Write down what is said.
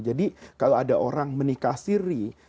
kalau ada orang menikah siri